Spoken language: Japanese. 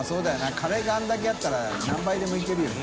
カレーがあれだけあったら診佞任いけるよな。